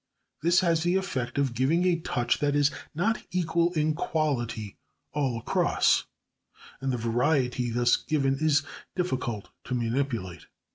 This has the effect of giving a touch that is not equal in quality all across, and the variety thus given is difficult to manipulate.